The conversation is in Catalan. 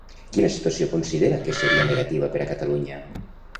Quina situació considera que seria negativa per a Catalunya?